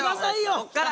こっから！